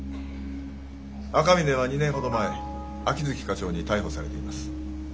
赤峰は２年ほど前秋月課長に逮捕されています。